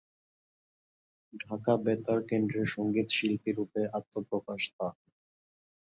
ঢাকা বেতার কেন্দ্রের সংগীত শিল্পী রূপে আত্মপ্রকাশ তার।